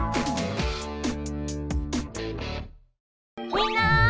みんな！